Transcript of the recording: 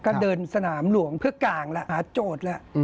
ก็เดินสนามหลวงเพื่อกลางแล้วหาโจทย์แล้ว